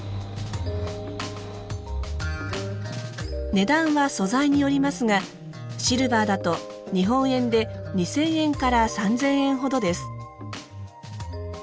値段は素材によりますがシルバーだと日本円で２，０００円から３，０００円ほどです。